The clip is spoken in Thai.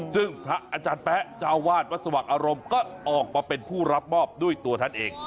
ซึ่งพระอาจารย์แป๊ะเจ้าวาดวัดสว่างอารมณ์ก็ออกมาเป็นผู้รับมอบด้วยตัวท่านเอง